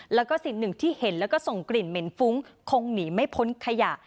แล้วก็สิ่งหนึ่งที่เห็นแล้วก็ส่งกลิ่นเหม็นฟุ้งคงหนีไม่พ้นขยะ